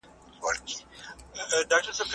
دوی د پېښې جديت نه احساسوي او ټوکې کوي.